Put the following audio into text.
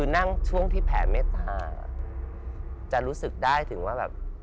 นั่งช่วงที่แผ่เมตตาจะรู้สึกได้ถึงว่าแบบ